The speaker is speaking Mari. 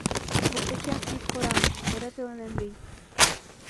Воктечем ит кораҥ, эре пеленем лий.